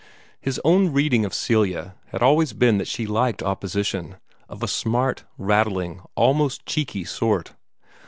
His own reading of Celia had always been that she liked opposition, of a smart, rattling, almost cheeky, sort.